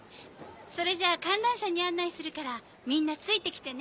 それじゃあ観覧車に案内するからみんなついてきてね。